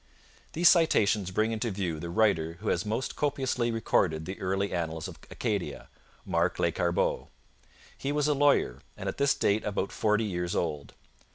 These citations bring into view the writer who has most copiously recorded the early annals of Acadia Marc Lescarbot. He was a lawyer, and at this date about forty years old.